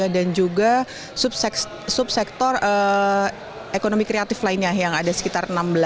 dan juga subsektor ekonomi kreatif lainnya yang ada sekitar enam belas